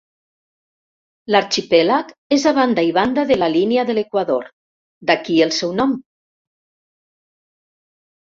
L'arxipèlag és a banda i banda de la línia de l'equador, d'aquí el seu nom.